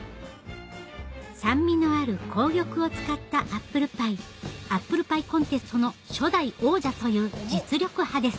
酸味のある紅玉を使ったアップルパイアップルパイコンテストの初代王者という実力派です